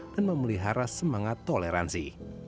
dan memelihara semangat toleransi